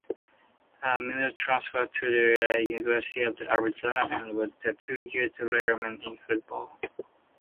Miller transferred to the University of Arizona and was a two-year letterman in football.